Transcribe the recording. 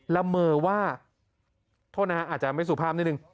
ละเมอว่าโทษนะฮะอาจจะไม่สุภาพนิดนึง